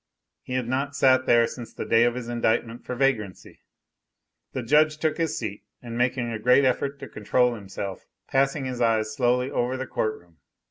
He had not sat there since the day of his indictment for vagrancy. The judge took his seat, and making a great effort to control himself, passed his eyes slowly over the court room.